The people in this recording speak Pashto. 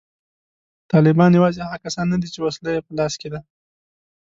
طالبان یوازې هغه کسان نه دي چې وسله یې په لاس کې ده